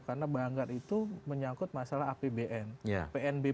karena banggar itu menyangkut masalah apbn pnbp